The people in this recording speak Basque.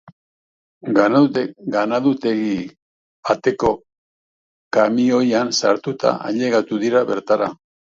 Ganadutegi bateko kamioian sartuta ailegatuko dira bertara.